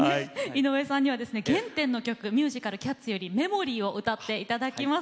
井上さんにはですね原点の曲ミュージカル「キャッツ」より「メモリー」を歌って頂きます。